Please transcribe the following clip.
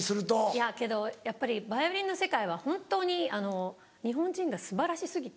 いやけどやっぱりバイオリンの世界は本当に日本人が素晴らし過ぎて。